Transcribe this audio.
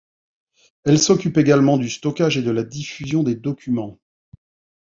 Elle s'occupe également du stockage et de la diffusion des documents.